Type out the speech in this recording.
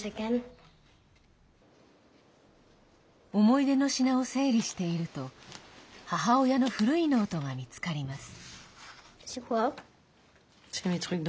思い出の品を整理していると母親の古いノートが見つかります。